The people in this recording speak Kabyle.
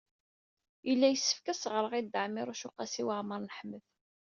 Yella yessefk ad as-ɣreɣ i Dda Ɛmiiruc u Qasi Waɛmer n Ḥmed.